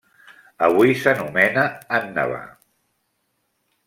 Avui s'anomena Annaba.